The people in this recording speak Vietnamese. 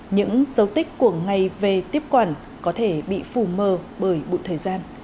những dấu tích của ngày về tiếp quản có thể bị phù mờ bởi bụi thời gian